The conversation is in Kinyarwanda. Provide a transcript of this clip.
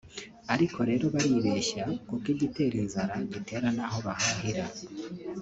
Ariko rero baribeshya kuko igitera inzara gitera naho bahahira